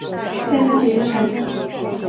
票上有写一个惨字